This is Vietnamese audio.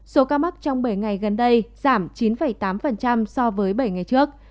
số ca mắc trong bảy ngày gần đây giảm chín tám so với bảy ngày trước